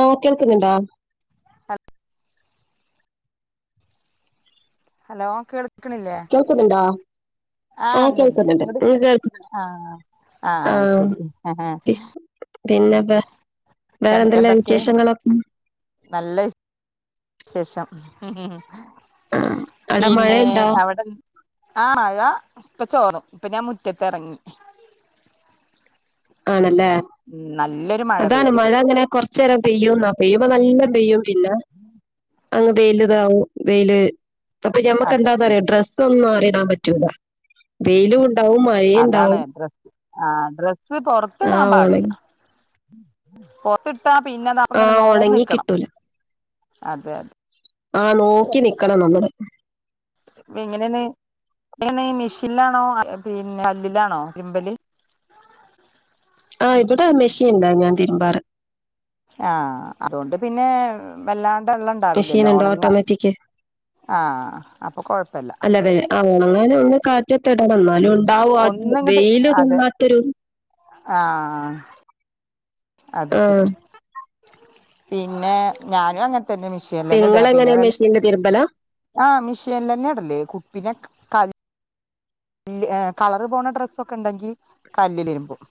[unintelligible] Hello കേൾ കേൾക്കുന്നുണ്ടോ ആഹ് ഉണ്ട്ണ്ട് കേൾക്കുന്നുണ്ട് അവിടെ ഉം കേൾക്കുന്നുണ്ട് ആഹ് ആഹ് ശരി [unintelligible] പിന്നെന്താ. എ എന്തൊക്കെ. നല്ലവി വിശേഷം ഉം ഉം ആഹ് അവിടെ പിന്നെ മഴയുണ്ടോ അവിടെ ആഹ് മഴ ഇപ്പ ചോറും ഇപ്പൊ ഞാൻ മുറ്റത്തിറങ്ങി ആണല്ലേ ഉം നല്ലൊരു മഴ അതാണ് പെയ്തു ഇപ്പോ മഴങ്ങനെ കൊറച്ച് നേരം പെയ്യുന്നാ പെയ്യുമ്പ നല്ല പെയ്യും പിന്നെ അങ്ങ് വെയിലിതാവും വെയില് അപ്പൊ ഞമ്മക്ക് അതെ എന്താ പറയാ ഡ്രെസ്സ് ഒന്നും മാറിയിടാൻ പറ്റൂല വെയിലുണ്ടാവും മ അതാണ് ഡ്രസ്സ് ആ ഡ്രസ്സ് പൊറത്തിടാൻ ആഹ് പാടില്ല. ഒണങ്ങി പൊറത്തിട്ടാ പിന്നെ നാം ഇങ്ങനെ ആഹ് നോം ഒണങ്ങി നിക്കണം കിട്ടൂല അതെ ആ നോക്കി നിക്കണം നമ്മള്. എങ്ങനെനീ നീ മിഷിലാണോ പിന്നെ കല്ലിലാണോ തിമ്പല്. ആഹ് ഇവിടെ മെഷീനുണ്ട് ഞാൻ തിരുമ്പാറ് ആഹ് അതുകൊണ്ട് പിന്നെ വല്ലാണ്ട് വെള്ളം മെഷീൻ ഉണ്ടാവില്ലല്ലോ, ഉണ്ട് ഉണങ്ങ ഓട്ടോമാറ്റിക് ആ അപ്പൊ കുഴപ്പില്ല. ആഹ് ഉണങ്ങാനൊന്ന് കാറ്റത്തിടണം ഇന്നാലും ഇണ്ടാവും അത് ഒന്നിങ്ങട്ട് വെയില് അതെ തുള്ളാത്തൊരു. ആഹ് അത് ശരി. ആഹ് പിന്നെ ഞാനും അങ്ങനെത്തന്നെ മിഷി നിങ്ങളെങ്ങനയാ മിഷിനിൽ തിരുമ്പല ആ മിഷീൻ തന്നെ ഇടല്ല് കുപ്പിനെ ല്ല ആഹ് കളറുപോണ ഡ്രസ്സൊക്കെണ്ടെങ്കി കല്ലിലിരുമ്പും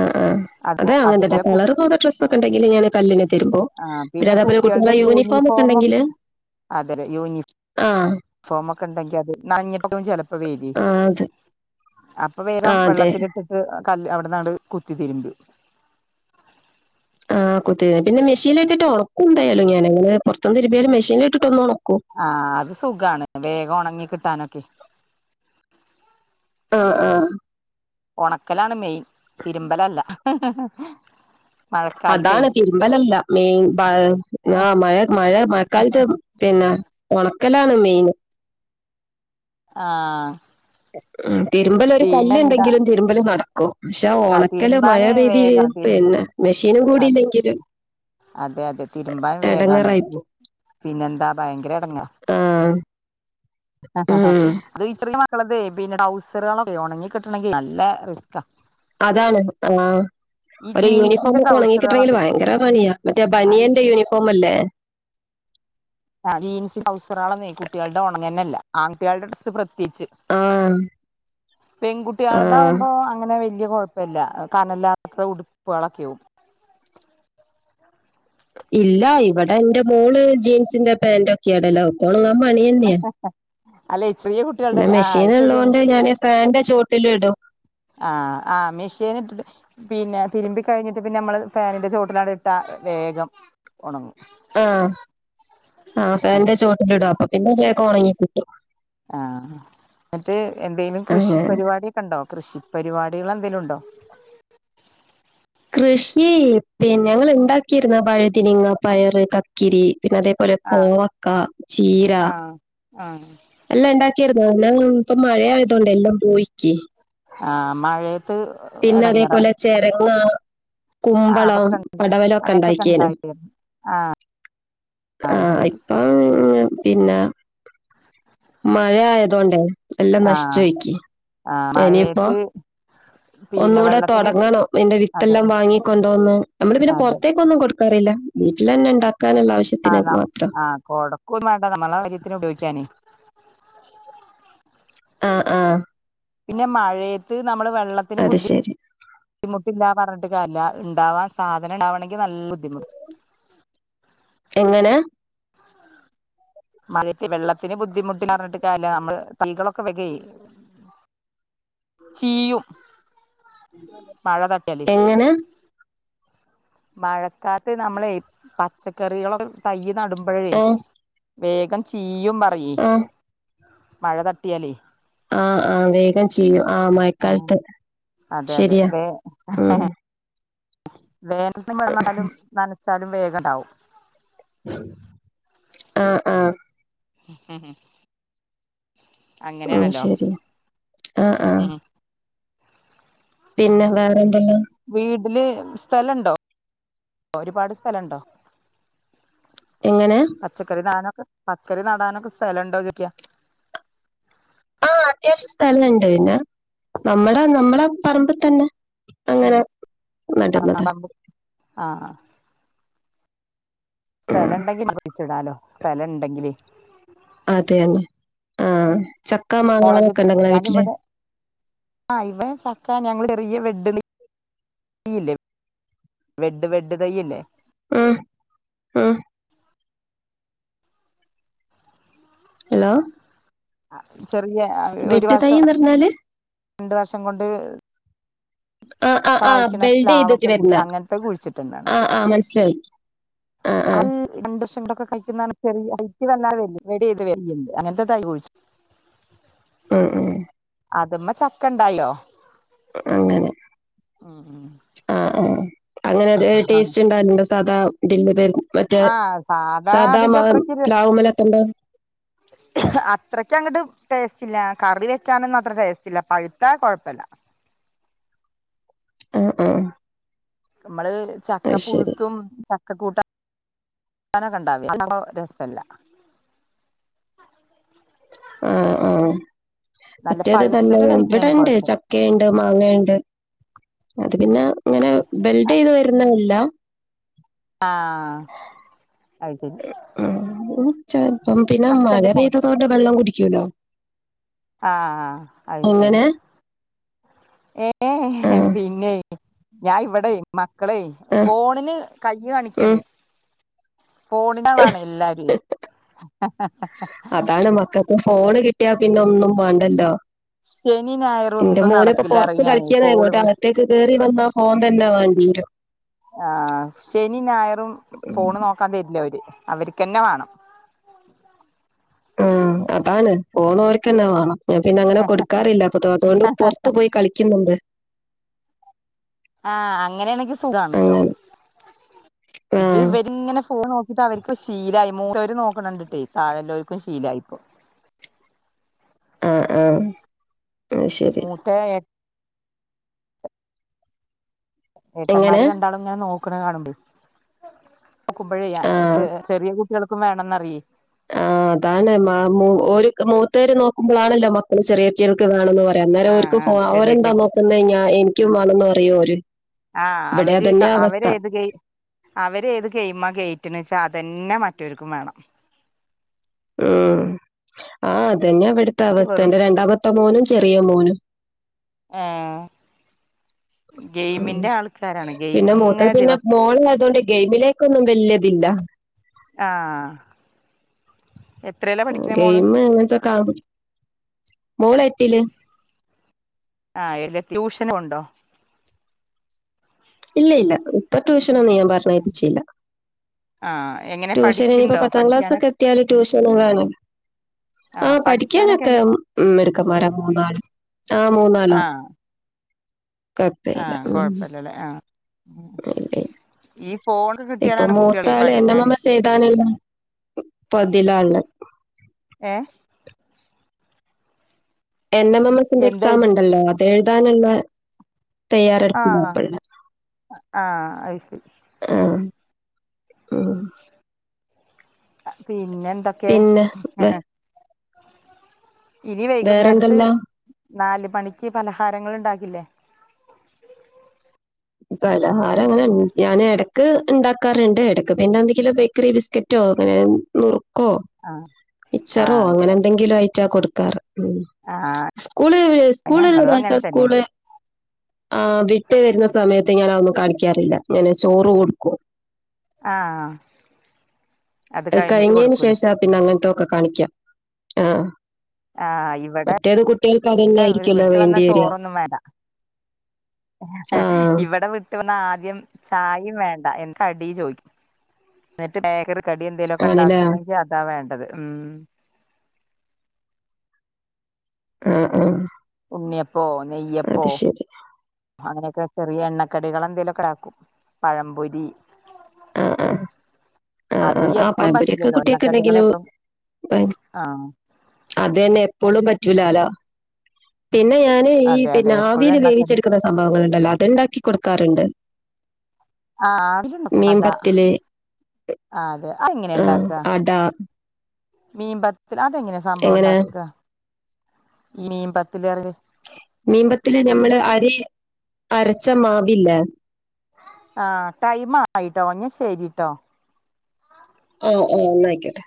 ആഹ് ആഹ് അപ്പോ അതെ അങ്ങനെത്തെ അതുപോലെ കു കളർ പോണ ഡ്രസ്സൊക്കെ ഉണ്ടെങ്കില് ഞാന് കല്ലില് തിരുമ്പും പിന്നെ അതേ പോലെ കുട്ടികളെ യൂണിഫോമൊക്കെ ഉണ്ടെങ്കില് അതെല്ലേ യൂണി ആഹ് ഫോമൊക്കെ ഉണ്ടെങ്കി അത് നനഞ്ഞിട്ടും ചിലപ്പോ വെരൊയ് ആഹ് അത് അപ്പൊ വേഗം ആഹ് അതെ വെള്ളത്തി ഇട്ടിട്ട് കല്ല് അവിട്ന്നാണ്ട് കുത്തിതിര്മ്പും. ആ കുത്തി പിന്നെ മെഷീൻലിട്ടിട്ട് ഉണക്കും എന്തായാലും ഞാന് ഞങ്ങള് പുറത്തുന്ന്തിര്മ്പിയാലും മെഷീൻലിട്ടിട്ട് ഒന്ന് ഉണക്കും. ആ അത് സുഖാണ്, വേഗം ഉണങ്ങി കിട്ടാനൊക്കെ. ആ ആ. ഉണക്കലാണ് മെയിൻ തിരുമ്പലല്ല. മഴക്കാലത്തേ അതാണ് തിര്മ്പലല്ല മെയിൻ ആ മഴ മഴ മഴക്കാലത്ത് പിന്നെ. ഉണക്കലാണ് മെയിൻ. ആഹ് ഉം തിരുമ്പല് ഒരു കല്ല് പിന്നെന്താ ഉണ്ടെങ്കിലും തിരുമ്പൽ നടക്കും. പക്ഷെ ആഹ് ഉണക്കല് മഴ തിരുമ്പാന് പെയ്തി വേഗാണ് തിരും പിന്നെ മെഷീനും കൂടിയില്ലെങ്കില്. അതെ അതെ തിരുമ്പാൻ വേഗാണ് എടങ്ങേറായിപ്പോ പിന്നെന്താ ഭയങ്കര എടങ്ങാ ആഹ് ഈ ച്ചെറിയ മക്കളതെ പിന്നെ ടൗസറുകളൊക്കെ ഒണങ്ങി കിട്ടണെങ്കിൽ നല്ല റിസ്ക്കാ അതാണ് ആഹ് ഈ ഒരു ജീൻസിന്റെ യൂണിഫോമ് ഒക്കെ ഉണങ്ങിക്കിട്ടണെങ്കിൽ ട്രൗസറുകളൊക്കെ ഭയങ്കര പണിയാ മറ്റേ ആഹ് ബനിയന്റെ യൂണിഫോം അല്ലേ. ആ ജീൻസ് ട്രൗസറാളൊന്നേ കുട്ടികളുടെ ഉണങ്ങന്നല്ല. ആൺട്ടികളുടെ ഡ്രസ്സ് പ്രത്യേകിച്ച്. ആഹ്. പെൺകുട്ട്യാളതാകുമ്പോ അങ്ങനെ വലിയ കൊഴപ്പല്ല കനല്ലാത്ത ഉടുപ്പാളൊക്കെയാവും. ഇല്ല ഇവിടെ എന്റെ മോള് ജീൻസിന്റെ പാന്റ് ഒക്കെയിടല് ഒണങ്ങാൻ പണിത അല്ല ചെറിയ കുട്ട പിന്നെ മെഷീൻ ഉള്ളോണ്ട് ഞാൻ ഫാനിന്റെ ചോട്ടിലിടും ആഹ് ആഹ് മെഷീനിട്ടിട്ട് പിന്നെ തിരുമ്പി കഴിഞ്ഞിട്ട് പിന്നെ നമ്മള് ഫാനിന്റെ ചോട്ടില് അങ്ങ്ട് ഇട്ടാ വേഗം ങണങ്ങും ആഹ് ആഹ് ഫാന്റെ ചുവട്ടിലിടും അപ്പൊ പിന്നെ വേഗം ഒണങ്ങി കിട്ടും ആഹ് എന്നിട്ട് എന്തേലും കൃഷി അങ്ങനെ പരിപാടിയൊക്കെ ഉണ്ടോ കൃഷി പരിപാടികളെന്തേലും ഉണ്ടോ കൃഷി പിന്നെ ഞങ്ങള് ഇണ്ടാക്കിയിരുന്നു പഴുതിനിങ്ങ പയറ് കക്കിരി പിന്നെ അതേപോലെ ആഹ് കോവക്ക ചീര ആഹ് ആഹ് എല്ലാം ഇണ്ടാക്കിരുന്നു ഞാ ഇപ്പ മഴയായതൊണ്ടേ എല്ലാം പോയിക്ക് ആഹ് മഴയത്ത് പിന്നെ എടങ്ങേറാ അതേപോലെ ചെരങ്ങ ആഹ് കുമ്പളം അതൊക്കെ ഉണ്ട് പടവലോക്കെ അങ്ങനത്തൊക്കെ ഇണ്ടാക്കിയേന് ഉണ്ടായിരുന്നു അത് ആഹ് ശരി ഇപ്പം പിന്നെ മഴ ആയതോണ്ടേ എല്ലാം ആഹ് നശിച്ചു പോയ്ക്ക് ആഹ് ഇനിയിപ്പോ മഴയത്ത് പിന്നെ ഒന്നൂടെ വെള്ളത്തിന് തുടങ്ങണം അയിന്റെ അതെ വിത്തെല്ലാം വാങ്ങിക്കൊണ്ടോന്ന് നമ്മള് പിന്നെ അതെ പുറത്തേക്കൊന്നും കൊടു ല്ല വീട്ടിലന്നെ ഇണ്ടാക്കാനുള്ള ആവശ്യം ആഹ് ആഹ് കൊടക്കൊന്നും വേണ്ട നമ്മള കാര്യത്തിന് ഉപയോഗിക്കാനേ ആഹ് ആഹ് പിന്നെ മഴയത്ത് നമ്മള് വെള്ളത്തിന് അത് ബുദ്ധി ശരി. ബുദ്ധിമുട്ടില്ലാ പറഞ്ഞിട്ട് കാര്യല്ല ഇണ്ടാവാൻ സാധനം ഇണ്ടവാണെങ്കി നല്ല ബുദ്ധിമു എങ്ങനാ മഴ വെള്ളത്തിന് ബുദ്ധിമുട്ടില്ലാന്ന് പറഞ്ഞിട്ട് കാര്യല്ല നമ്മള് തൈകളൊക്കെ വര്യേ ചീയും മഴ തട്ടിയാല് എങ്ങനെ മഴക്കാലത്ത് നമ്മളെ പച്ചക്കറികളൊക്കെ തയ്യ് നടുംമ്പഴേ ആഹ് വേഗം ചീയും പറയേ ആഹ് മഴ തട്ടിയാലേ ആഹ് ആഹ് വേഗം ചീയും ആഹ് ആഹ് മഴക്കാലത്ത് അതെ അതെ ശരിയാ വേ ഉം വേനല് വന്നാലും നനച്ചാലും വേഗം ഇണ്ടാവും ആഹ് ആഹ് മ്ഹ് ഉം ശരിയാ ആഹ് ആഹ് ഉം പിന്നെ വേറെ എന്തെല്ലാം വീട്ടില് സ്ഥലുണ്ടോ ഒരുപാട് സ്ഥലുണ്ടോ എങ്ങനെ പച്ചക്കറി നടാനൊക്കെ പച്ചക്കറി നടാനൊക്കെ സ്ഥലണ്ടോന്ന് ചോയിക്കാ ആഹ് അത്യാവശ്യം സ്ഥലണ്ട് ന്ന നമ്മുടെ നമ്മട പറമ്പിൽ തന്നെ അങ്ങനെ ആഹ് നടുന്നതാ പറമ്പ് ആഹ് ആഹ് ഉം സ്ഥലം ഇണ്ടെങ്കി [unintelligible] സ്ഥലം ഇണ്ടെങ്കില് അതെന്നെ ആഹ് ചക്ക മാങ്ങ മുളക് അങ്ങനൊക്കെ ഇണ്ടോ ങ്ങള വീട്ടില് ആഹ് ഇവ ചക്ക ഞങ്ങള് ചെറിയ വെഡ വെഡ് വെഡ് തയ്യില്ലേ ആഹ് ഹലോ ചെറിയ ഒരു ബെഡ് വർഷം തൈന്ന് പറഞ്ഞാല് രണ്ട് വർഷം കൊണ്ട് ആഹ് ആഹ് ആഹ് കായ്ക്കണ ബെൽഡ് ചെയ്തിട്ട് പ്ലാവൊക്കെ വരുന്ന അങ്ങനത്തെ കുഴിച്ചിട്ടുണ്ടാണ് ആഹ് ആഹ് മനസ്സിലായി ആഹ് ആഹ് അത് രണ്ട് വർഷൊക്കെ കായ്ക്കുന്നാണ് [inaudible] അങ്ങനത്തെ തൈയ് കുഴിച്ചു ഉം ഉം അതുമേ ചക്ക ഇണ്ടായില്ലോ. അങ്ങനെ ആഹ് ആഹ് അങ്ങനെ ടേസ്റ്റ് ഉണ്ടാവലുണ്ടോ സാധാ ഇതില്. മറ്റേ ആ സാധാ സാദാ മാവ് പ്ലാവ് മ്മലൊക്കെ ഉണ്ടാവുന്ന [inaudible] അത്രയ്ക്കങ്ങട്ട് ടേസ്റ്റ് ഇല്ല കറി വെക്കാനൊന്നും അത്ര ടേസ്റ്റ് ഇല്ല പഴുത്താ കൊഴപ്പല്ല ആഹ് ആഹ്. അമ്മള് അത് ചക്ക ശരി പുഴുത്തും ചക്കക്കൂട്ട അന്നപ്പോ രസല്ല ആഹ് ആഹ് നല്ല മറ്റേത് നല്ലേ പഴുത്തിട്ട് കഴിക്കുന്നതിന് ഇവിടെണ്ട് കൊഴപ്പം ച ക്കേണ്ട് മാങ്ങേണ്ട് അത് പിന്നെ ഇങ്ങനെ ബെൽഡ്യ്ത് വരുന്നല്ല ആഹ് അത് ശരി ഉം ചെപ്പോ മഴ അച്ഛന്റെ ഫോണ്ക്ക് പെയ്തതോണ്ട് വെള്ളം കുടിക്കോല്ലോ ആഹ് അഹ് ശരി ഏഹ് ആഹ് പിന്നെ. ഞാൻ ഇവിടെ മക്കളെ ആഹ് ഫോണിന് കൈ കാണിക്കാണ് ഉം ഫോൺ നെ വേണേ എല്ലാരേ ക്കക്ക് ഫോണ് കിട്ടിയാ പിന്നെ ഒന്നും മാണ്ടല്ലോ. ശനി ഞായറും ഇന്റെ ഒന്നും മോന് ഇപ്പൊ നടക്കില്ല പുറത്ത് പറയും ഞാന് കളിക്കാനായി കോള് ഇങ്ങോട്ട് വിളിക്കും അകത്തേക്ക് കേറി വന്നാ ഓൻ തന്നെ വേണ്ടിര ആഹ് ശനി ഞായറും ഉം ഫോൺ നോക്കാൻ തരില്ല അവര് അവർക്ക്ന്നെ വേണം ഉം അതാണ്. ഫോൺ ഓര്ക്ക് തന്നെ വേണം ഞാൻ പിന്നെ അങ്ങനെ കൊടുക്കാറില്ല അപ്പ അതുകൊണ്ട് പുറത്തു പോയി കളിക്കുന്നുണ്ട് ആഹ് അങ്ങനെയാണങ്കി സുഖാന്ട്ടോ അങ്ങനെ ഇത് ആഹ് ഇവരിങ്ങനെ ഫോൺ ഓ ഇത അവർക്ക് ശീലായി മൂത്തവർ നോക്കണണ്ടിട്ടേ താഴെല്ലാവർക്കും ശീലായി ഇപ്പോ ആഹ് ആഹ് അത് ശരി മൂത്തവൻ എട്ട് എങ്ങനെ ഏട്ടന്മാര് രണ്ടാളും ഇങ്ങനെ നോക്ണ കാണുമ്പോ നോക്കുമ്പോഴേ ആഹ് ചെറിയ കുട്ടികൾക്കും വേണന്ന് അറിയേ. ആഹ് അതാണ് മ മു ഒരു ക് മൂതോർ നോക്കുമ്പോളാണല്ലോ മക്കള് ചെറിയ കുട്ടികൾക്ക് വേണംന്ന് പറയാം അന്നേരം ആഹ് ഓർക്ക് ആഹ് ചെറിയ ഓരെരെന്താ നോക്കുന്നത് എനിക്കും വേണംന്ന് പറയും ഓര്. ആഹ് ഇവിടെ അവര് ക അതന്നെയാ അവര് അവസ്ഥ ഏത് ഗെയി അവര് ഏത് ഗെയിമാ കേറ്റണേച്ചാൽ അതന്നെ മറ്റവർക്കും വേണം. ഉം ആഹ് അതന്നാ ഇവിടുത്തെ എന്നിട്ട് അവസ്ഥ വെറും എന്റെ രണ്ടാമത്തെ മോനും ചെറിയ മോനും. ഏഹ് ഉം ഗെയിമിന്റെ ആൾക്കാരാണ് ഗെയിം പിന്നെ ഇങ്ങനെ മൂത്തത് പിന്നെ ദിവസം മോളായത്കൊണ്ട് ഗെയിമിലേക്കൊന്നും വല്യതില്ല. ആഹ് എത്രലാ പഠിക്ണേ മോള്? [unintelligible] മോൾ എട്ടിൽ. ആഹ് എല്ലാ ട്യൂഷനും ഉണ്ടോ? ഇല്ല ഇല്ല ഇപ്പോ ട്യൂഷനൊന്നും ഞാൻ പറഞ്ഞയപ്പിച്ചില്ല. ആഹ് എങ്ങൻ ട്യൂഷന് ഇനിയിപ്പോ പത്താം ക്ലാസ്ക്കെ എത്തിയാല് ട്യൂഷനും വേണല്ലോ. ആഹ് പഠിക്കാനൊക്കെ മിടുക്കൻമാര മൂന്നാളും ആഹ് മൂന്നാളും. ആഹ് ആഹ് ഉം, കൊഴപ്പല്ലല്ലേ ആഹ് ഉം ഇല്ല ഇല്ല ഇപ്പൊ മൂത്താള് എൻഎം പഠിക്കാന് മ്മ് സ് എയ്താനുള്ളപ്പോ ഇതിൽ ആണ്. ഏഹ്. എൻ എം എം എസിന്റെ എക്സാം എന്തെഴുത ണ്ടല്ലോ അത് എഴുതാനള്ള ആഹ് ആഹ് ആഹ് അയിശെരി. ആഹ് ആഹ്. അഹ് പിന്നെ എന്തൊക്കെ പിന്നെ വേ- ഇനി വൈകുന്നേരത്ത് വേറെന്തെല്ലാം നാല് മണിക്ക് പലഹാരങ്ങൾ ഉണ്ടാക്കില്ലേ? പലഹാരങ്ങനെ ഞാനെടക്ക് ഇണ്ടാക്കാറ്ണ്ട്. എടക്ക് പിന്നന്തെങ്കിലും ബേക്കറി ബിസ് കറ്റോ അങ്ങനെ മുറുക്കോ ആഹ് മിച്ചറോ ആഹ് അതെ അതെ അങ്ങനെന്തെങ്കിലു ഐറ്റ കൊടുക്കാറ് മ്മ് ആഹ് സ്കൂല് ഞങ്ങളും സ്കൂലള്ളതാ അങ്ങനെ സാ തന്നെ സ്കൂല് ആ വിട്ട് വരുന്ന സമയത്ത് ഞാൻ ഒന്നും കാണിക്കാറില്ല ഞാന് ചോറ് കൊടുക്കും ആ അത് കഴിഞ്ഞേന് കൊടുക്കൂലേ ശേഷാ പിന്നങ്ങനൊത്തൊക്കെ കാണിക്ക്യ ആഹ് ആഹ് ഇവിടെ മറ്റേത് കുട്ടികൾക്ക് അതന്നൊയിരിക്കല്ലോ വിട്ട് വന്ന വേണ്ടി വര്യ ഹേ ഇവിടെ വി വിട്ടു വന്ന ആദ്യം ചായ്‌ വേണ്ട എന്ത ടി ചോയ്ക്കും എട്ട്‌ ബേക്കറി കടി ആണ്ല്ലേ എന്തേലൊക്കെണ്ടക്കാണെങ്കി അതാ വേണ്ടത് ഉം.... ആഹ് ആഹ് ഉണ്ണിയപ്പോ നെയ്യപ്പോ അത് ശരി. അങ്ങനെക്കെ ചെറിയ എണ്ണക്കടികളെക്കെന്തെലെക്കെടാക്കും പഴംപൊരി ആഹ് ആഹ് അത് ആഹ് ആ എപ്പഴും പയമ്പൊരിയെക്കെ പറ്റില്ലല്ലോ എണ്ണക്കടികൾ കുട്ടിയെക്കെന്തെങ്കിലും എപ്പം ആഹ് അതന്നേ എപ്പോളും പറ്റൂലാലോ പിന്നെ ഞാൻ ഏയീ അതെ അതെ എപ്പോഴും പിന്നാവീല് എണ്ണക്കടി വേവിച്ചെടുക്കുന്ന സംഭവങ്ങള്ണ്ടല്ലോ അത്ണ്ടാക്കി കൊട്ക്കാറുണ്ട് ആ വിടെണ്ടാക്കും അട ആ അതെ ആ എങ്ങനെ ആഹ് ഇണ്ടാക്ക അട മീൻപത്തിൽ അതെങ്ങനെയ എങ്ങനെ സംഭവണ്ടാക്ക്കാ ഈ മീപത്തല് [unintelligible] മീമ്പത്തല് ഞമ്മള് അരി അരച്ച മാവില്ലേ ആഹ് ടൈമായിട്ടോ ന്നെശരിട്ടോ ആഹ് ആഹ് ന്നായ്ക്കോട്ടെ